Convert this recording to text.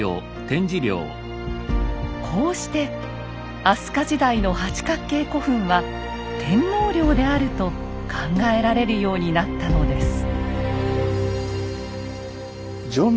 こうして飛鳥時代の八角形古墳は天皇陵であると考えられるようになったのです。